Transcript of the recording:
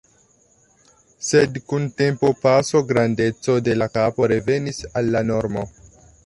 Sed kun tempopaso grandeco de la kapo revenis al la normo.